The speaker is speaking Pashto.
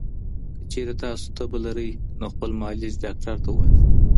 که چېرې تاسو تبه لرئ، نو خپل معالج ډاکټر ته ووایاست.